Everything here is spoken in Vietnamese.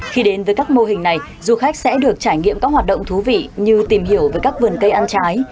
khi đến với các mô hình này du khách sẽ được trải nghiệm các hoạt động thú vị như tìm hiểu về các vườn cây ăn trái